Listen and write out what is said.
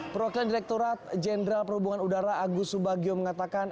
perwakilan direkturat jenderal perhubungan udara agus subagio mengatakan